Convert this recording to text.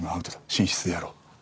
寝室でやろう。